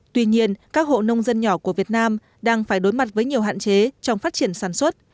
tuy nhiên các hộ nông dân nhỏ của việt nam đang phải đối mặt với nhiều hạn chế trong phát triển sản xuất